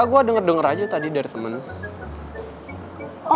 gue denger denger aja tadi dari temen